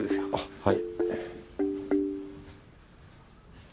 はい。